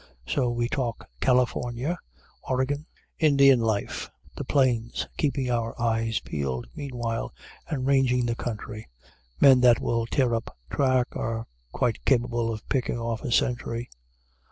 So we talk California, Oregon, Indian life, the Plains, keeping our eyes peeled meanwhile, and ranging the country. Men that will tear up track are quite capable of picking off a sentry.